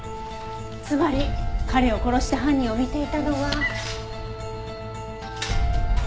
つまり彼を殺した犯人を見ていたのは。